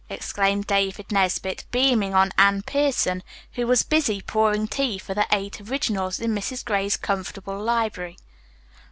exclaimed David Nesbit, beaming on Anne Pierson, who was busy pouring tea for the "Eight Originals" in Mrs. Gray's comfortable library.